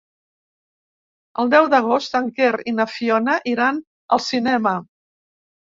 El deu d'agost en Quer i na Fiona iran al cinema.